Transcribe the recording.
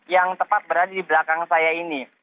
yang tepat berada di belakang saya ini